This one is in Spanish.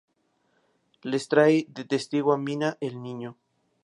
Les trae de testigo a Mina, el niño.